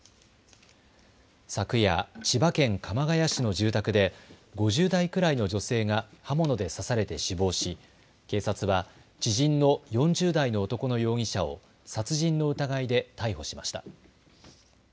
昨夜、千葉県鎌ケ谷市の住宅で５０代くらいの女性が刃物で刺されて死亡し、警察は知人の４０代の男の容疑者を殺人の疑いで逮捕しました。